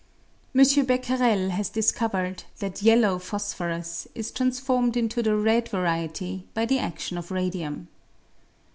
M. Becquerel has discovered that yellow phosphorus is transformed into the red variety by the adion of radium.